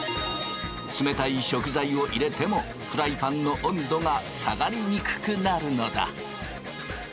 冷たい食材を入れてもフライパンの温度が下がりにくくなるのだ。